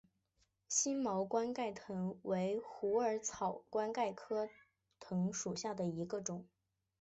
星毛冠盖藤为虎耳草科冠盖藤属下的一个种。